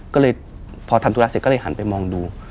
ก็เลยพอทำธุระเสร็จก็เลยหันไปมองดู